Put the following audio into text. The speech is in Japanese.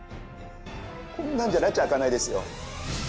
こんなんじゃらち明かないですよ。